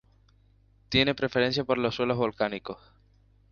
Tiene preferencia por suelos volcánicos.